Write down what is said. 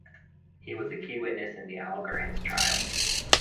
He was a key witness in the Alger Hiss trials.